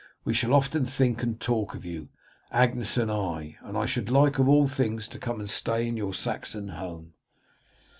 We shall often think and talk of you, Agnes and I; and I should like, of all things, to come and stay in your Saxon home."